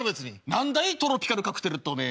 何だいトロピカルカクテルっておめえよう。